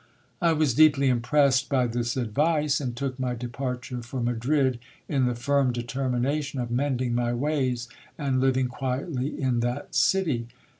I was deeply impressed by this advice, and took my departure for Madrid, in the firm determination of mending my ways, and living quietly in that city.